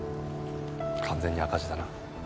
完全に赤字だな。